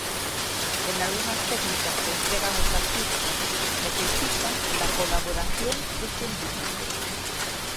E nalgunhas técnicas que empregan os artistas necesitan da colaboración de científicos.